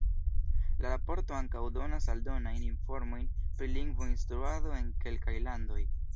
La raporto ankaŭ donas aldonajn informojn pri lingvo-instruado en kelkaj landoj.